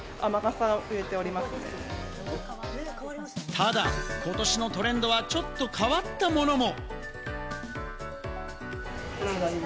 ただ、今年のトレンドはちょっと変わったものも。